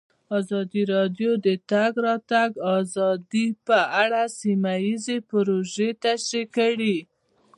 ازادي راډیو د د تګ راتګ ازادي په اړه سیمه ییزې پروژې تشریح کړې.